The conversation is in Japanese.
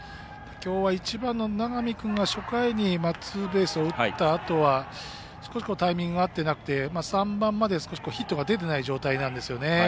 きょうは、１番の永見君が初回にツーベースを打ったあとは少しタイミングが合っていなくて３番まで少しヒットが出てない状態なんですよね。